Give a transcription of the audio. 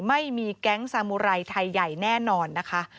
ไม่มีแก๊งสามูไรไทยใหญ่แน่นอนนะคะ